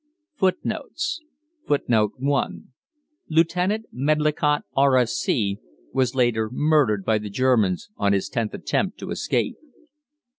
FOOTNOTES: [Footnote 1: Lieutenant Medlicott, R.F.C., was later murdered by the Germans on his tenth attempt to escape.